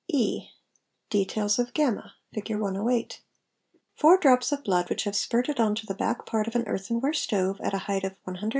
E. Details of y (Fig. 108). Four drops of blood which have spurted on to the back part of an earthenware stove at a height of 187 em. .